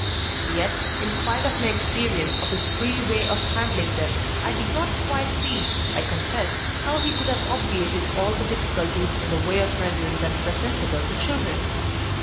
Yet, in spite of my experience of his free way of handling them, I did not quite see, I confess, how he could have obviated all the difficulties in the way of rendering them presentable to children.